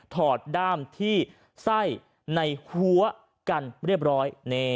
อดด้ามที่ไส้ในหัวกันเรียบร้อย